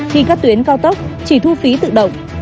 khi các tuyến cao tốc chỉ thu phí tự động